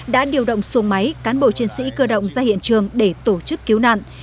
đã điều động xuồng máy cán bộ chiến sĩ cơ động ra hiện trường để tổ chức cứu nạn